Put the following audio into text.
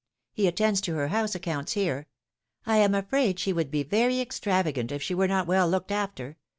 He attends to her house accounts here. I am afraid she would be very extravagant if she were not well looked after.